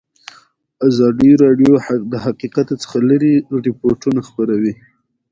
ازادي راډیو د د ماشومانو حقونه د اړونده قوانینو په اړه معلومات ورکړي.